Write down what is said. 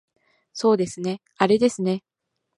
そうですねあれですね